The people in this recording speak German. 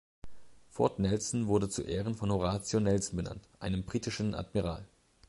Fort Nelson wurde zu Ehren von Horatio Nelson benannt, einem britischen Admiral.